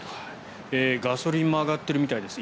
ガソリンも上がってるみたいです。